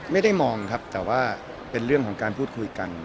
ไม่ได้มองครับแต่ว่าเป็นเรื่องของการพูดคุยกัน